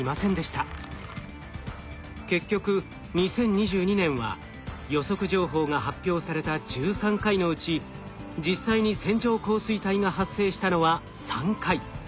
結局２０２２年は予測情報が発表された１３回のうち実際に線状降水帯が発生したのは３回。